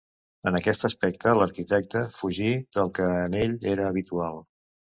En aquest aspecte l'arquitecte fugí del que en ell era habitual.